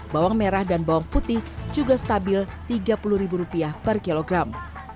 bawang merah dan bawang putih juga stabil rp tiga puluh per kilogram